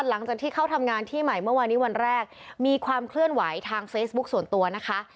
หลังจากที่เข้าทำงานที่ใหม่เมื่อวานนี้วันแรกมีความเคลื่อนไหวทางเฟซบุ๊คส่วนตัวนะคะ